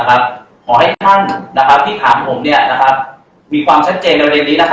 ขอให้ท่านที่ถามผมมีความชัดเจนในเร็วนี้